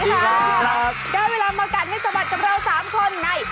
ได้เวลามากัดให้สะบัดกับเรา๓คนใน